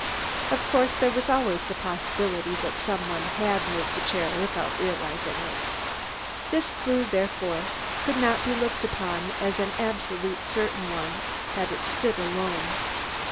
Of course there was always the possibility that some one had moved the chair without realising it. This clue, therefore, could not be looked upon as an absolutely certain one had it stood alone.